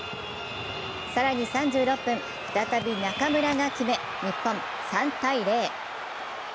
更に３６分、再び中村が決め日本、３−０。